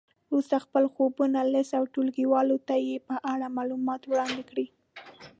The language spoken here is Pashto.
وروسته خپل ځوابونه لیست او ټولګیوالو ته یې په اړه معلومات وړاندې کړئ.